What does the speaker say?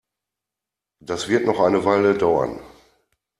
Das wird noch eine Weile dauern.